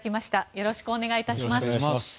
よろしくお願いします。